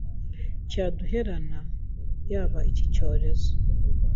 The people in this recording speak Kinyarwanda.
cyaduherana yaba iki cyorezo